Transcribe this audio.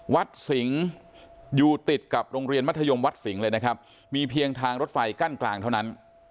วัดสิงห์อยู่ติดกับโรงเรียนมัธยมวัดสิงห์เลยนะครับมีเพียงทางรถไฟกั้นกลางเท่านั้น